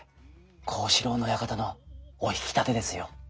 幸四郎の親方のお引き立てですよ。